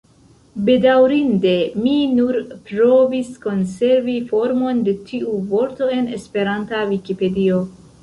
Bedaurinde mi nur provis konservi formon de tiu vorto en esperanta Vikipedio.